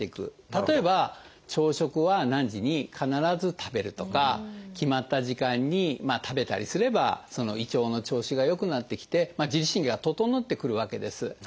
例えば朝食は何時に必ず食べるとか決まった時間に食べたりすれば胃腸の調子が良くなってきて自律神経が整ってくるわけです。